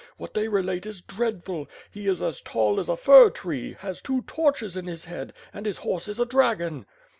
What they relate is dreadful. He is as tall as a fir tree, has two torches in his head, and his horse is a dragon."